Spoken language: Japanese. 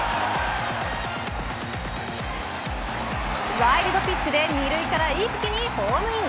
ワイルドピッチで２塁から一気にホームイン。